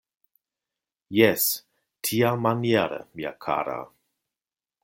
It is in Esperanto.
Jes, tiamaniere, mia kara!